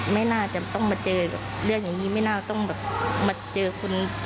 ไม่น่าจะต้องมาเจอใช่บอก